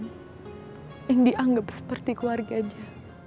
yang dianggap seperti keluarganya